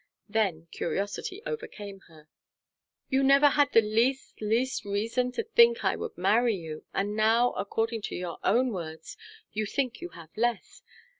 Then curiosity overcame her. "You never had the least, least reason to think I would marry you, and now, according to your own words, you think you have less.